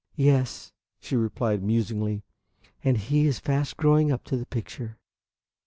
"Yes," she replied musingly, "and he is fast growing up to the picture."